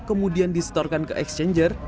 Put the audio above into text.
kemudian distorkan ke exchanger